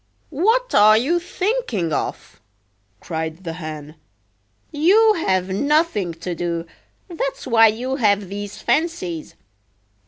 "What are you thinking of?" cried the Hen. "You have nothing to do, that's why you have these fancies.